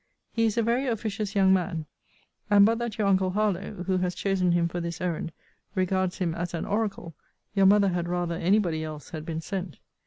He is a very officious young man; and, but that your uncle Harlowe (who has chosen him for this errand) regards him as an oracle, your mother had rather any body else had been sent.